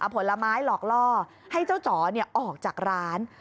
ผลไม้หลอกล่อให้เจ้าจ๋อออกจากร้าน